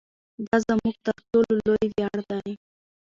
دا زموږ تر ټولو لوی ویاړ دی.